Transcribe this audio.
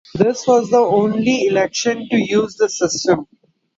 This was the only election to use this system.